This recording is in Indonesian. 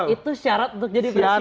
itu syarat untuk jadi presiden